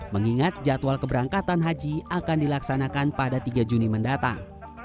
mengingat jadwal keberangkatan haji akan dilaksanakan pada tiga juni mendatang